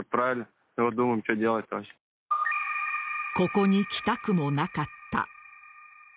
ここに来たくもなかった。